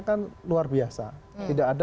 kan luar biasa tidak ada